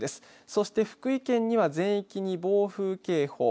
そして福井県には全域に暴風警報